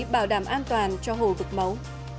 bảo đảm an toàn cho hồ vực máu